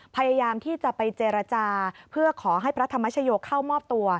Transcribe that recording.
พยายามที่จะไปเจรจาเพื่อขอให้พระธรรมชโยเข้ามอบตัว